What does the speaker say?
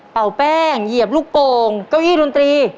แป้งเหยียบลูกโป่งเก้าอี้ดนตรี